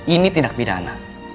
ini tindak pidana